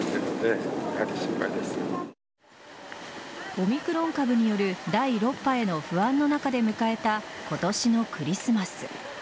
オミクロン株による第６波への不安の中で迎えた今年のクリスマス。